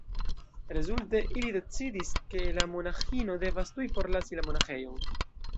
Rezulte ili decidis, ke la monaĥino devas tuj forlasi la monaĥejon.